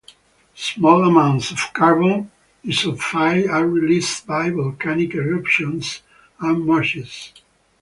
Small amounts of carbon disulfide are released by volcanic eruptions and marshes.